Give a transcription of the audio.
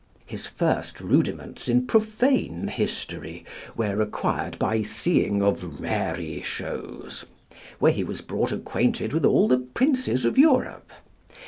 His first rudiments in profane history were acquired by seeing of raree shows, where he was brought acquainted with all the princes of Europe.